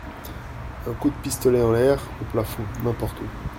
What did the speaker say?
Un coup de pistolet en l'air, au plafond, n'importe où.